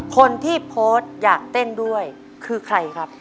คนที่โพสต์อยากเต้นด้วยคือใครครับ